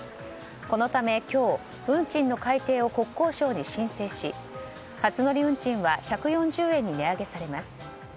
このため今日運賃の改定を国交省に申請し初乗り運賃は１４０円に値上げされます。